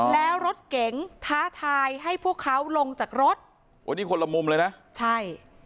แล้วรถเก๋งท้าทายให้พวกเขาลงจากรถโอ้นี่คนละมุมเลยนะใช่